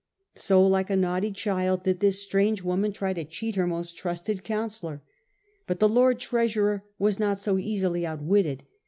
So like a naughty child did this strange woman try to cheat her most trusted counsellor. But the Lord Treasurer was not so easily outwitted.